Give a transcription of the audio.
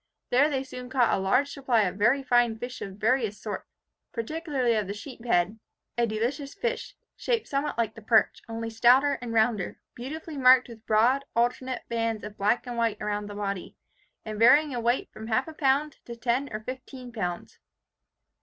There they soon caught a large supply of very fine fish of various sorts, particularly of the sheephead, a delicious fish, shaped somewhat like the perch, only stouter and rounder, beautifully marked with broad alternate bands of black and white around the body, and varying in weight from half a pound to ten or fifteen pounds.